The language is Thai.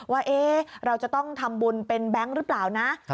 ว่าเราจะต้องทำบุญเป็นแบงค์หรือเปล่านะ